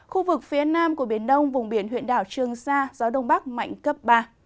khu vực phía nam của biển đông vùng biển huyện đảo trường sa gió đông bắc mạnh cấp ba